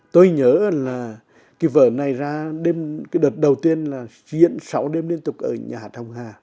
tôi nhớ là cái vở này ra đêm cái đợt đầu tiên là diễn sáu đêm liên tục ở nhà hát hồng hà